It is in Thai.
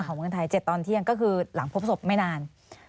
เมืองไทย๗ตอนเที่ยงก็คือหลังพบศพไม่นาน